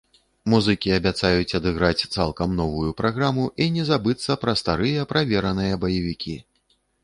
Музыкі абяцаюць адыграць цалкам новую праграму і не забыцца пра старыя правераныя баевікі.